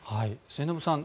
末延さん